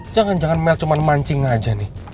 jangan jangan mel cuma mancing aja nih